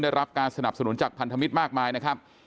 ได้รับการสนับสนุนจากพันธมิตรมากมายนะครับ